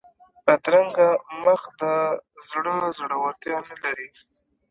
بدرنګه مخ د زړه زړورتیا نه لري